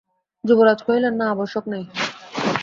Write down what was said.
যুবরাজ কহিলেন, না, আবশ্যক নাই।